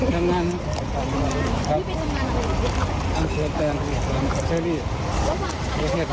ระหว่างที่กำลังขับรถออกไปก็คือโดนยิงด้วยเหรอพี่